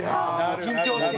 緊張して？